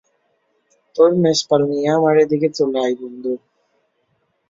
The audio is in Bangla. তোর মেষ পাল নিয়ে আমার এদিকে চলে আয়, বন্ধু।